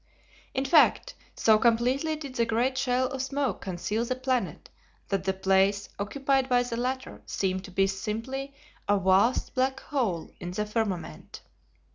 In fact, so completely did the great shell of smoke conceal the planet that the place occupied by the latter seemed to be simply a vast black hole in the firmament.